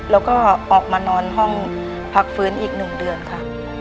แล้วก็ออกมานอนห้องพักฟื้นอีก๑เดือนค่ะ